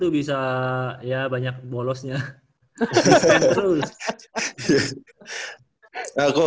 bisa ya banyak bolosnya